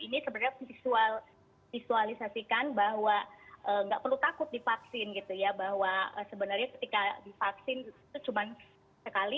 ini sebenarnya visualisasikan bahwa nggak perlu takut divaksin gitu ya bahwa sebenarnya ketika divaksin itu cuma sekali